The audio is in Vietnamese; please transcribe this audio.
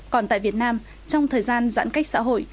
còn tại việt nam trong thời gian giãn cách xã hội